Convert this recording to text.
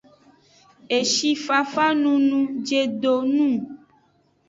Eshi fafa nunu jedo nung.